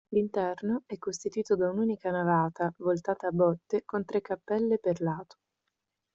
L'interno è costituito da un'unica navata, voltata a botte, con tre cappelle per lato.